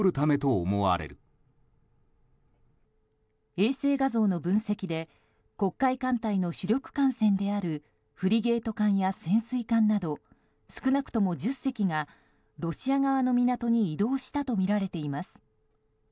衛星画像の分析で黒海艦隊の主力艦船であるフリゲート艦や潜水艦など少なくとも１０隻がロシア側の港に移動したとみられています。